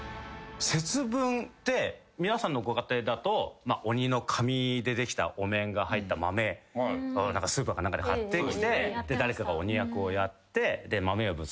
節分って皆さんのご家庭だと鬼の紙でできたお面が入った豆スーパーか何かで買ってきて誰かが鬼役をやって豆をぶつけて。